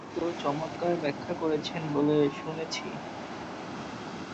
Floyd তো চমৎকার ব্যাখ্যা করেছেন বলে শুনেছি।